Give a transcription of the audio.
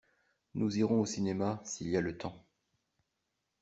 Nous irons au cinéma s’il y a le temps.